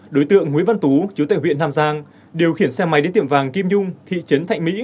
đối tượng nguyễn văn tú chú tại huyện nam giang điều khiển xe máy đến tiệm vàng kim nhung thị trấn thạnh mỹ